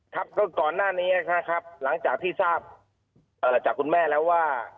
ครับก็ก่อนหน้านี้นะครับหลังจากที่ทราบจากคุณแม่แล้วว่า